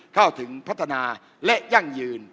เข้าถึงพัฒนาและยั่งยืน